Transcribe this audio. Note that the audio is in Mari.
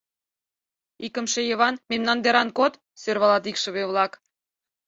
— Икымше Йыван, мемнан деран код! — сӧрвалат икшыве-влак.